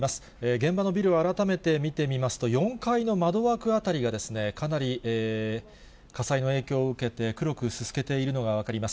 現場のビルを改めて見てみますと、４階の窓枠辺りが、かなり火災の影響を受けて、黒くすすけているのが分かります。